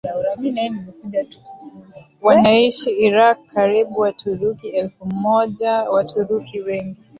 wanaishi Iraq karibu Waturuki elfumoja Waturuki wengi